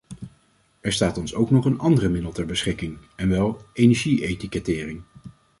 Er staat ons ook nog een ander middel ter beschikking en wel energie-etikettering.